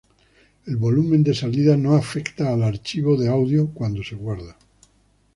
El volumen de salida no afecta al archivo de audio cuando se guarda